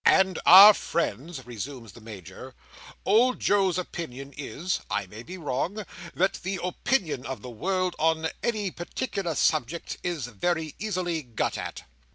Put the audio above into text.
"—and are friends," resumes the Major, "Old Joe's opinion is (I may be wrong), that the opinion of the world on any particular subject, is very easily got at."